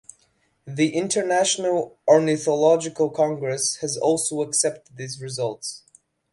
The International Ornithological Congress has also accepted these results.